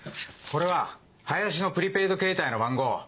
これは林のプリペイドケータイの番号。